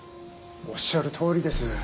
おっしゃる通りです。